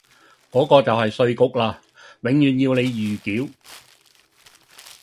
嗰個就系稅局啦，永遠要你預繳。